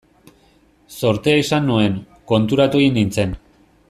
Zortea izan nuen, konturatu egin nintzen.